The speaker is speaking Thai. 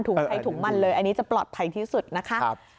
ใครถุงมันเลยอันนี้จะปลอดภัยที่สุดนะคะ